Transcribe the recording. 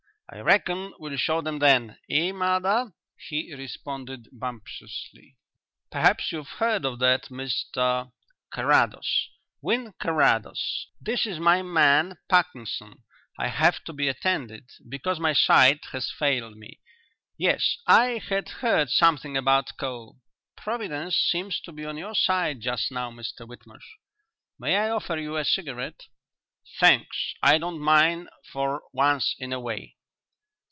"I reckon we'll show them then, eh, mother?" he responded bumptiously. "Perhaps you've heard of that, Mr ?" "Carrados Wynn Carrados. This is my man, Parkinson. I have to be attended because my sight has failed me. Yes, I had heard something about coal. Providence seems to be on your side just now, Mr Whitmarsh. May I offer you a cigarette?" "Thanks, I don't mind for once in a way."